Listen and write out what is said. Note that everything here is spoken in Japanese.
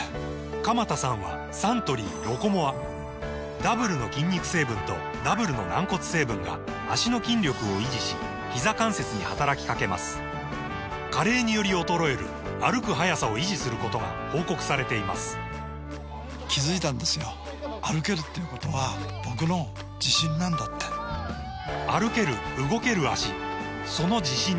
鎌田さんはサントリー「ロコモア」ダブルの筋肉成分とダブルの軟骨成分が脚の筋力を維持しひざ関節に働きかけます加齢により衰える歩く速さを維持することが報告されています歩ける動ける脚その自信に筋肉成分と軟骨成分